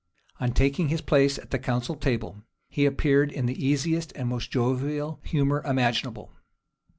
On taking his place at the council table, he appeared in the easiest and most jovial humor imaginable.